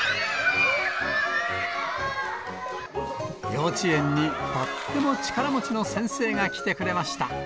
幼稚園にとっても力持ちの先生が来てくれました。